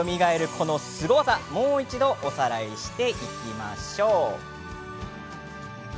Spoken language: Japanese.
このスゴ技もう一度おさらいしましょう。